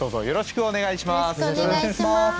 よろしくお願いします。